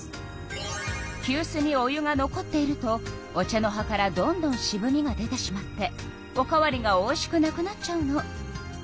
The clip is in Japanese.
きゅうすにお湯が残っているとお茶の葉からどんどんしぶみが出てしまっておかわりがおいしくなくなっちゃうの。